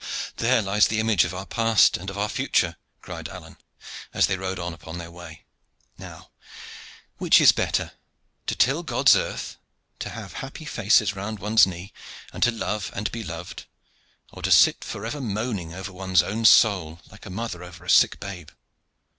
"There lies the image of our past and of our future," cried Alleyne, as they rode on upon their way. "Now, which is better, to till God's earth, to have happy faces round one's knee, and to love and be loved, or to sit forever moaning over one's own soul, like a mother over a sick babe?"